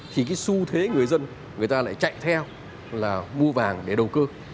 thì cái xu thế người dân người ta lại chạy theo là mua vàng để đầu cơ